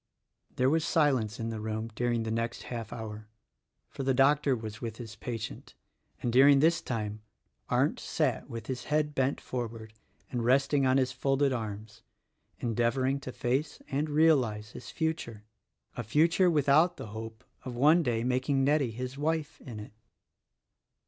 There was silence in the room during the next half hour, for the doctor was with his patient; and during this time Arndt sat with his head bent forward and resting on his folded arms, endeavoring to face and realize his future —a future without the hope of one day making Nettie his wife, in it.